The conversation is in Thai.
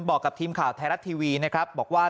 บอกกับทีมข่าวไทยรัฐทีวีนะครับบอกว่า